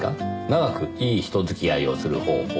長くいい人付き合いをする方法。